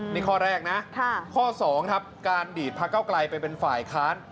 นี่ข้อแรกนะข้อ๒ครับการดีดพระเก้าไกลไปเป็นฝ่ายค้าน